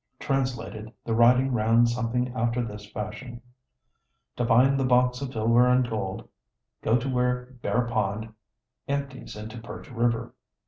Translated, the writing ran somewhat after this fashion: "To find the box of silver and gold, go to where Bear Pond empties into Perch River.